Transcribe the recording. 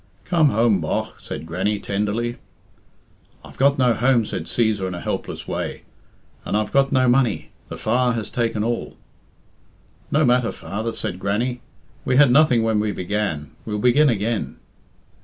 "Come home, bogh," said Grannie tenderly. "I've got no home," said Cæsar in a helpless way. "And I've got no money. The fire has taken all." "No matter, father," said Grannie. "We had nothing when we began; we'll begin again."